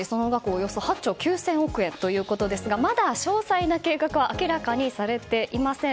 およそ８兆９０００億円ということですがまだ詳細な計画は明らかにされていません。